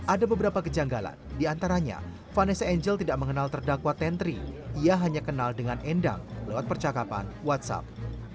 ada beberapa kejanggalan diantaranya vanessa angel tidak mengenal terdakwa tentri ia hanya kenal dengan endang lewat percakapan whatsapp